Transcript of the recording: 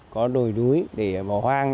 có đồi núi để bò hoang